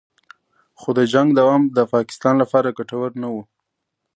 خو د جنګ دوام د پاکستان لپاره ګټور نه و